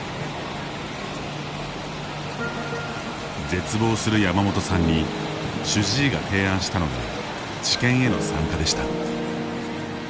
絶望するヤマモトさんに主治医が提案したのが治験への参加でした。